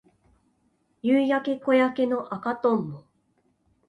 夕焼け小焼けの赤とんぼ